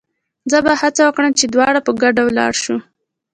زه به هڅه وکړم چې دواړه په ګډه ولاړ شو.